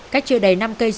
cách chưa đầy năm km